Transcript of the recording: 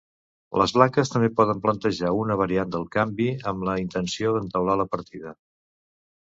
Les blanques també poden plantejar una variant del canvi amb la intenció d'entaular la partida.